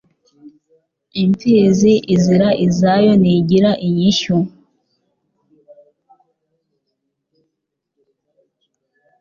Impfizi izira izayontigira inyishyu